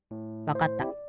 わかった。